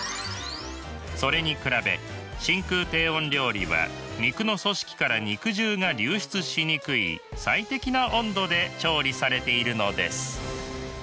それに比べ真空低温料理は肉の組織から肉汁が流出しにくい最適な温度で調理されているのです。